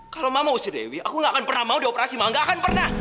kalau mama usir dewi aku gak akan pernah mau di operasi ma gak akan pernah